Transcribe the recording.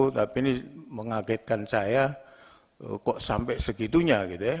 tapi ini mengagetkan saya kok sampai segitunya gitu ya